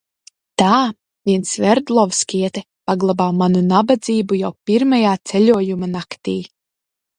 Tā vien sverdlovskiete paglāba manu nabadzību jau pirmajā ceļojuma naktī.